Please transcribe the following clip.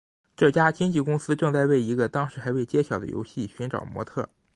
这家经纪公司正在为一个当时还未揭晓的游戏寻找模特儿。